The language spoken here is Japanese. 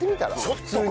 普通に。